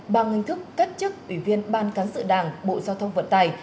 bằng hình thức cách chức ủy viên ban cán sự đảng bộ giao thông vận tài